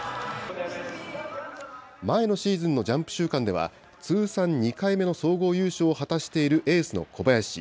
前のシーズンのジャンプ週間では、通算２回目の総合優勝を果たしているエースの小林。